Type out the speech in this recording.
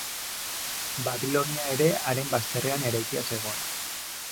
Babilonia ere haren bazterrean eraikia zegoen.